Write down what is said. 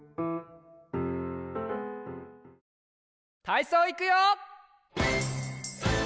たいそういくよ！